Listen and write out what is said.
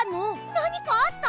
なにかあった？